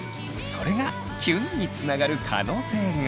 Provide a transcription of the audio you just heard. それがキュンにつながる可能性が。